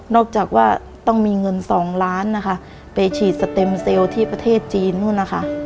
จากว่าต้องมีเงินสองล้านนะคะไปฉีดสเต็มเซลล์ที่ประเทศจีนนู่นนะคะ